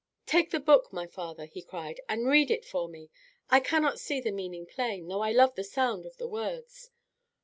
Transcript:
"Take the book, my father," he cried, "and read it for me. I cannot see the meaning plain, though I love the sound of the words.